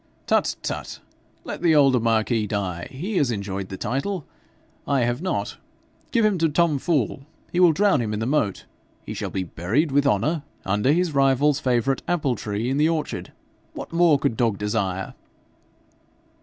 'Tut! tut! let the older marquis die: he has enjoyed the title; I have not. Give him to Tom Fool: he will drown him in the moat. He shall be buried with honour under his rival's favourite apple tree in the orchard. What more could dog desire?'